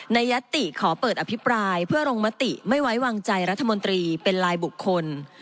ยัตติขอเปิดอภิปรายเพื่อลงมติไม่ไว้วางใจรัฐมนตรีเป็นลายบุคคล